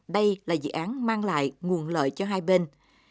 đây là dự án mang lại nguồn lợi cho hai bên